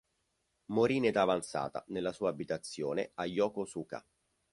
Morì in età avanzata nella sua abitazione a Yokosuka.